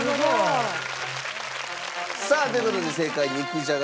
すごい！さあという事で正解は肉じゃが。